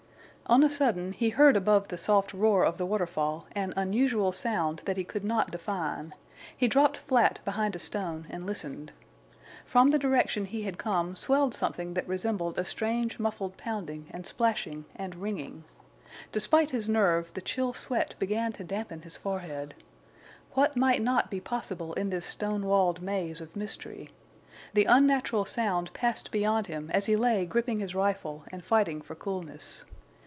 On a sudden he heard above the soft roar of the waterfall an unusual sound that he could not define. He dropped flat behind a stone and listened. From the direction he had come swelled something that resembled a strange muffled pounding and splashing and ringing. Despite his nerve the chill sweat began to dampen his forehead. What might not be possible in this stonewalled maze of mystery? The unnatural sound passed beyond him as he lay gripping his rifle and fighting for coolness.